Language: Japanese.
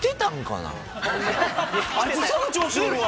あいつすぐ調子乗るわ。